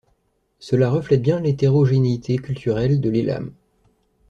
Cela reflète bien l'hétérogénéité culturelle de l'Élam.